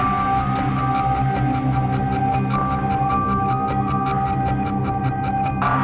อันนั้นน่าจะเป็นวัยรุ่นที่จะเจอวันนี้